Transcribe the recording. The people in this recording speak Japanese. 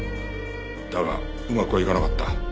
だがうまくはいかなかった。